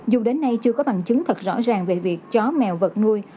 dù đến nay chưa có bằng chứng thật rõ ràng về việc chó mèo vật nuôi